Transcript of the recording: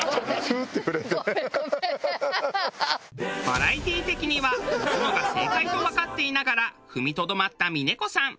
バラエティー的には押すのが正解とわかっていながら踏みとどまった峰子さん。